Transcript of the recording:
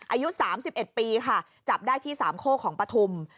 อายุ๓๑ปีค่ะจับได้ที่สามโคกของปฐุม